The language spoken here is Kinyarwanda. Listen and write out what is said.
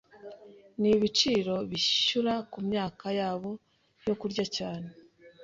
Nibiciro bishyura kumyaka yabo yo kurya cyane.